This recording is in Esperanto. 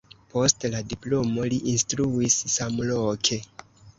Post la diplomo li instruis samloke.